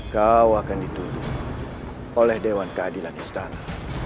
kau akan dituduh oleh dewan keadilan istana